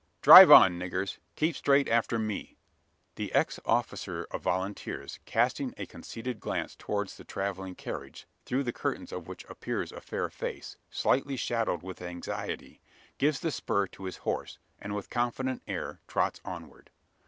Drive on, niggers! Keep straight after me." The ex officer of volunteers, casting a conceited glance towards the travelling carriage through the curtains of which appears a fair face, slightly shadowed with anxiety gives the spur to his horse; and with confident air trots onward.